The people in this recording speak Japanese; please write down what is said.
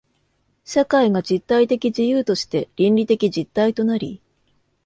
社会が実体的自由として倫理的実体となり、